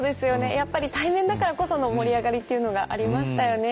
やっぱり対面だからこその盛り上がりっていうのがありましたよね。